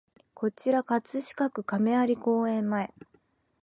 こちら葛飾区亀有公園前